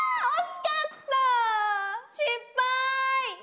惜しかった！